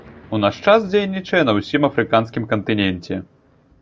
У наш час дзейнічае на ўсім афрыканскім кантыненце.